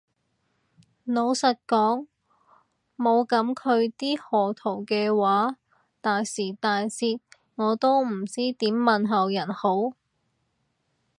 老實講冇噉佢啲賀圖嘅話，大時大節我都唔知點問候人好